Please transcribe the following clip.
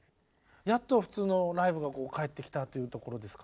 やっと普通のライブが帰ってきたっていうところですか？